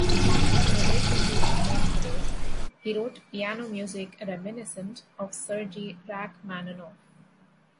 Relatively unknown today, he wrote piano music reminiscent of Sergei Rachmaninoff.